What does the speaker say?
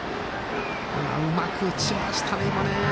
うまく打ちましたね、今ね。